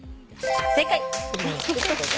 正解。